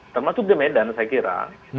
termasuk di medan saya kira